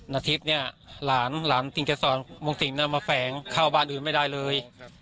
นาทิพย์เนี่ยหลานกลิ่นเกษรมงสิ่งนั้นมาแฝงข้าวบ้านอื่นไม่ได้เลย